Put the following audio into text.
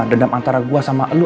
dendam antara gue sama elu